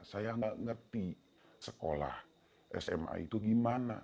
saya nggak ngerti sekolah sma itu gimana